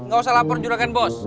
gak usah lapor juragan bos